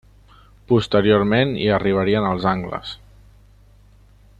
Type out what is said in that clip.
Posteriorment hi arribarien els angles.